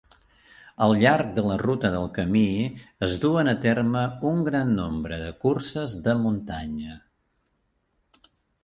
Al llarg de la ruta del camí, es duen a terme un gran nombre de curses de muntanya.